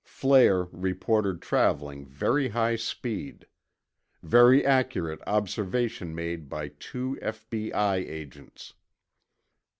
flare reported traveling very high speed ... very accurate observation made by two F.B.I. agents.